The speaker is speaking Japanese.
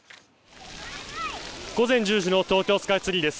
午前１０時の東京スカイツリーです。